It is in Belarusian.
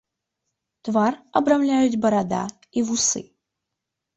Твар абрамляюць барада і вусы.